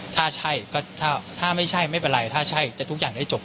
ถ้าใช่ก็ถ้าไม่ใช่ไม่เป็นไรถ้าใช่จะทุกอย่างได้จบ